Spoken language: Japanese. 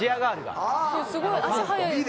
すごい足速いですよね。